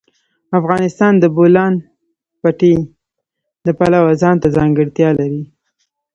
افغانستان د د بولان پټي د پلوه ځانته ځانګړتیا لري.